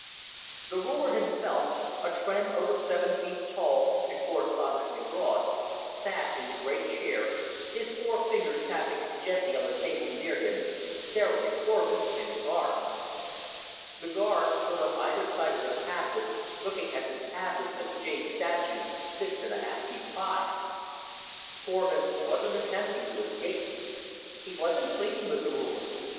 The Ruler himself, a Tr'en over seven feet tall and correspondingly broad, sat in the great chair, his four fingers tapping gently on the table near him, staring at Korvin and his guards. The guards stood on either side of their captive, looking as impassive as jade statues, six and a half feet high. Korvin wasn't attempting to escape. He wasn't pleading with the Ruler.